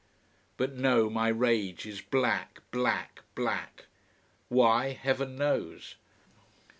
But no, my rage is black, black, black. Why, heaven knows.